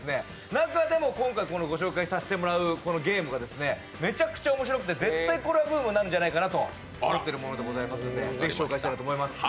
中でも今回ご紹介させてもらうこのゲームがめちゃくちゃ面白くて絶対これはブームになるんじゃないかなと思っているものでございますのでぜひ紹介したいなと思います。